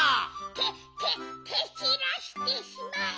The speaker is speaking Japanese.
けけけちらしてしまえ。